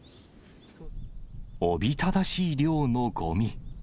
おびただしい量のごみ。